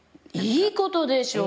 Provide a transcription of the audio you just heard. いいことでしょ！